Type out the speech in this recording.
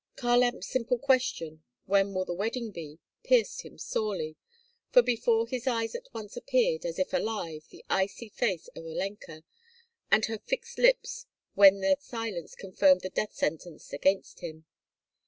Kharlamp's simple question 'When will the wedding be?' pierced him sorely; for before his eyes at once appeared, as if alive, the icy face of Olenka, and her fixed lips when their silence confirmed the death sentence against him.